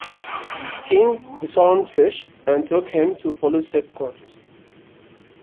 King disarmed Fish and took him to police headquarters.